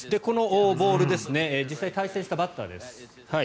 このボール実際に対戦したバッターです。